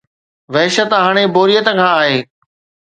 وحشت هاڻي بوريت کان آهي.